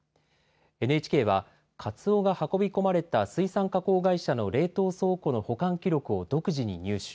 ＮＨＫは、カツオが運び込まれた水産加工会社の冷凍倉庫の保管記録を独自に入手。